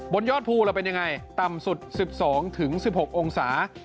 ยอดภูเราเป็นยังไงต่ำสุด๑๒๑๖องศา